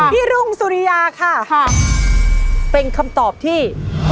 รุ่งสุริยาค่ะเป็นคำตอบที่